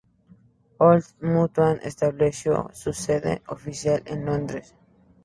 Old Mutual estableció su sede oficial en Londres.